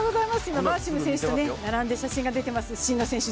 今、バーシム選手と並んで写真が出ている真野選手